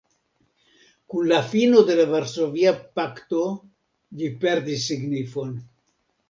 Kun la fino de la Varsovia pakto ĝi perdis signifon.